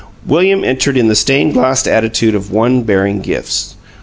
William entered in the stained glass attitude of one bearing gifts.